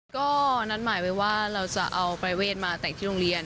ก็นัดหมายไว้ว่าเราจะเอาปรายเวทมาแต่งที่โรงเรียน